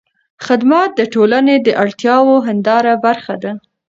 خدمت د ټولنې د اړتیاوو هنداره ده.